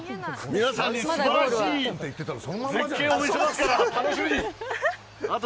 皆さんにすばらしい絶景を見せますから、楽しみに。